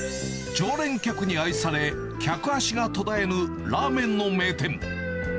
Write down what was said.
常連客に愛され、客足が途絶えぬラーメンの名店。